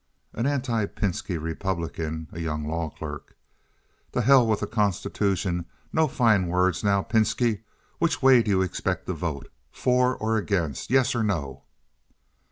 An Anti Pinski Republican (a young law clerk). "To hell with the constitution! No fine words now, Pinski. Which way do you expect to vote? For or against? Yes or no?"